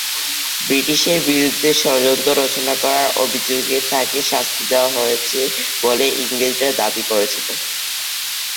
ব্রিটিশের বিরূদ্ধে ষড়যন্ত্র রচনা করার অভিযোগে তাঁকে শাস্তি দেওয়া হয়েছে বলে ইংরেজরা দাবী করেছিল।